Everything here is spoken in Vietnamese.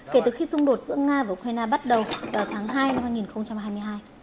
kể từ khi xung đột giữa nga và ukraine bắt đầu vào tháng hai năm hai nghìn hai mươi hai